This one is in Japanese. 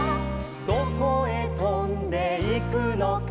「どこへとんでいくのか」